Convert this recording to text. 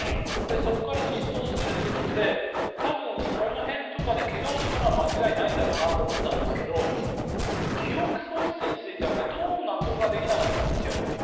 そこから失踪してるということで多分その辺とかで怪我をしたのは間違いないんだろうなと思ったんですが記憶喪失については、どうも納得できなかったんですよ。